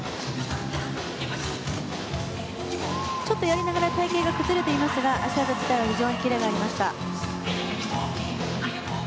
ちょっとやりながら隊形が崩れていますが、脚技自体は非常にキレがありました。